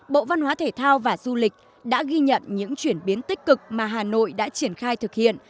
bộ văn hóa thể thao và du lịch đã ghi nhận những chuyển biến tích cực mà hà nội đã triển khai thực hiện